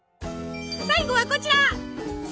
最後はこちら！